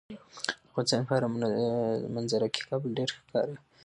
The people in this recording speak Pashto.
د افغانستان په هره منظره کې کابل ډیر ښکاره ښکاري.